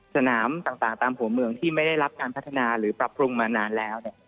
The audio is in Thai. สนามต่างตามหัวเมืองที่ไม่ได้รับการพัฒนาหรือปรับปรุงมานานแล้ว